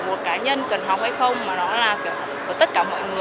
là chuyện một cá nhân cần học hay không mà nó là chuyện của tất cả mọi người